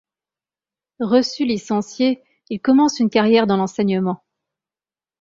Reçu licencié, il commence une carrière dans l’enseignement.